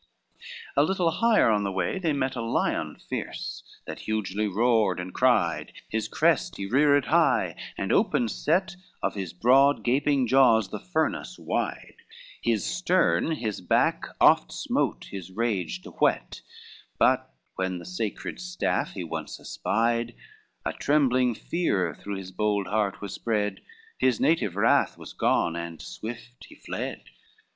L A little higher on the way they met A lion fierce that hugely roared and cried, His crest he reared high, and open set Of his broad gaping jaws the furnace wide, His stern his back oft smote, his rage to whet, But when the sacred staff he once espied A trembling fear through his bold heart was spread, His native wrath was gone, and swift he fled.